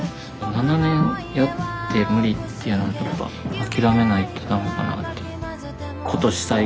７年やって無理っていうのはやっぱ諦めないと駄目かなって。